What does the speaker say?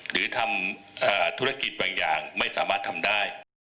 หรือทำธุรกิจบางอย่างไม่สามารถทำได้